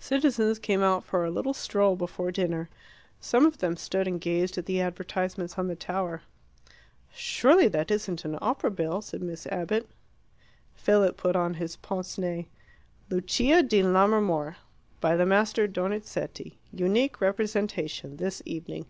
Citizens came out for a little stroll before dinner. Some of them stood and gazed at the advertisements on the tower. "Surely that isn't an opera bill?" said Miss Abbott. Philip put on his pince nez. "'Lucia di Lammermoor. By the Master Donizetti. Unique representation. This evening.